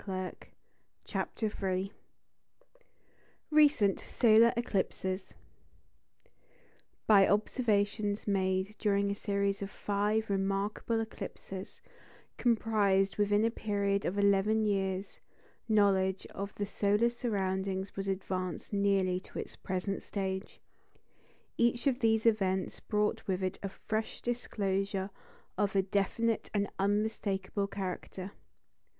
] CHAPTER III RECENT SOLAR ECLIPSES By observations made during a series of five remarkable eclipses, comprised within a period of eleven years, knowledge of the solar surroundings was advanced nearly to its present stage. Each of these events brought with it a fresh disclosure of a definite and unmistakable character.